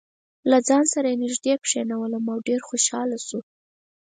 له ځان سره یې نژدې کېنولم او ډېر خوشاله شو.